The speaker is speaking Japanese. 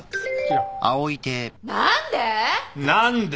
何で！？